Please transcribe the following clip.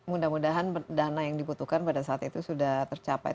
mudah mudahan dana yang dibutuhkan pada saat itu sudah tercapai